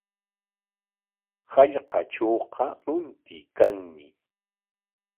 Hallqatrawqa runtuykanmi.